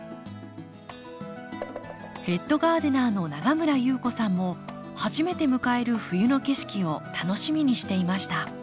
ヘッドガーデナーの永村裕子さんも初めて迎える冬の景色を楽しみにしていました